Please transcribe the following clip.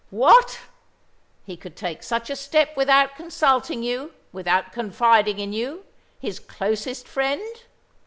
"What? He could take such a step without consulting you, without confiding in you his closest friend?"